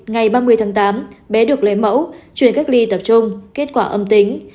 ngày ba mươi tháng tám bé được lấy mẫu chuyển cách ly tập trung kết quả âm tính